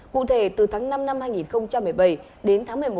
cụ thể từ tháng năm năm hai nghìn một mươi bảy đến tháng năm năm hai nghìn một mươi bảy